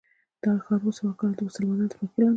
دغه ښار اوه سوه کاله د مسلمانانو تر واکمنۍ لاندې و.